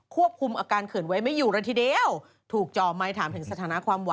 ควบคุมอาการเขื่อนไว้ไม่อยู่เลยทีเดียวถูกจ่อไมค์ถามถึงสถานะความหวาน